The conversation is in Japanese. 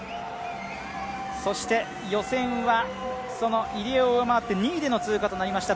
そして予選は入江を上回って２位での通過となりました。